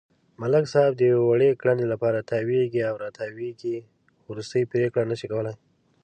ملک صاحب د یوې وړې کړنې لپاره تاوېږي را تاووېږي، ورستۍ پرېکړه نشي کولای.